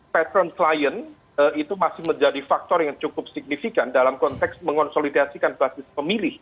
pattern klien itu masih menjadi faktor yang cukup signifikan dalam konteks mengonsolidasikan basis pemilih